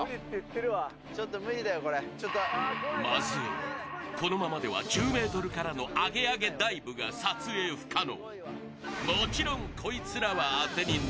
まずい、このままでは１０ｍからのアゲアゲダイブが撮影不可能。